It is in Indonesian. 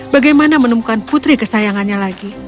bagaimana menemukan putri kesayangannya lagi